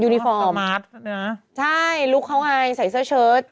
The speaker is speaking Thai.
ยูนิฟอร์มสมัครใช่ลุคเขาไงใส่เสื้อเชิญ